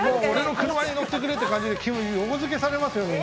俺の車に乗ってくれって感じで急に横づけされますよ